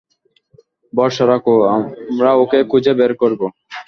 ভরসা রাখো, আমরা ওকে খুঁজে বের করবো।